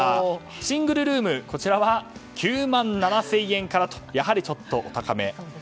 シングルルームは９万７０００円からとやはりちょっとお高め。